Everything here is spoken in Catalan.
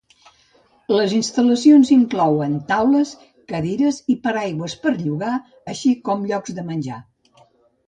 Les instal·lacions inclouen taules, cadires i paraigües per llogar, així com llocs de menjar.